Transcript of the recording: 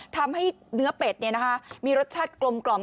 ทำให้เนื้อเป็ดมีรสชาติกลม